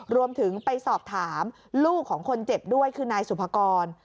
รวมถึงไปสอบถามลูกของคนเจ็บด้วยคือนายสุภกร